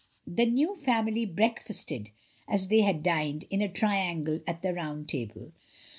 The new family breakfasted as they had dined, in a triangle at the round table.